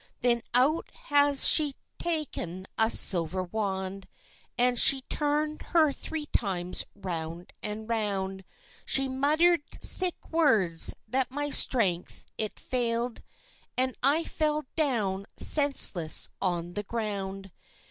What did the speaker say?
Then out has she ta'en a silver wand, And she turn'd her three times round and round; She mutter'd sic words, that my strength it fail'd, And I fell down senseless on the ground.